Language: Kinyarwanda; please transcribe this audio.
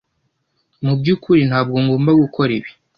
Mu byukuri ntabwo ngomba gukora ibi